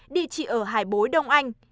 địa chỉ ở hải bối đông anh